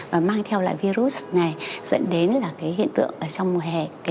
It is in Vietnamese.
và mang theo lại virus này dẫn đến hiện tượng trong mùa hè